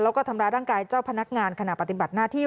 แล้วก็ทำร้ายร่างกายเจ้าพนักงานขณะปฏิบัติหน้าที่